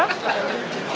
dapatnya tidak pasti